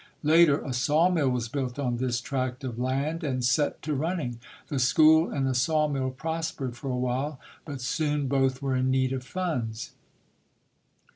Later a saw mill was built on this tract of land and set to running. The school and the sawmill prospered for a while, but soon both were in need of funds.